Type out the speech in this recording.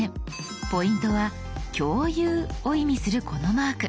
ポイントは「共有」を意味するこのマーク。